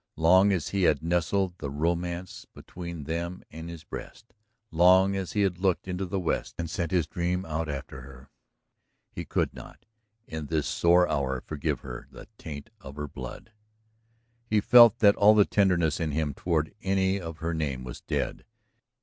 Long as he had nestled the romance between them in his breast, long as he had looked into the West and sent his dream out after her, he could not, in this sore hour, forgive her the taint of her blood. He felt that all tenderness in him toward any of her name was dead.